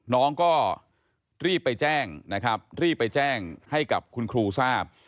น้องก็รีบไปแจ้งให้กับคุณครูทราบ